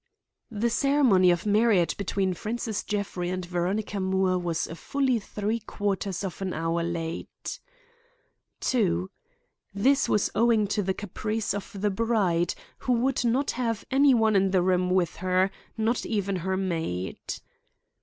The ceremony of marriage between Francis Jeffrey and Veronica Moore was fully three quarters of an hour late. 2. This was owing to the caprice of the bride, who would not have any one in the room with her, not even her maid.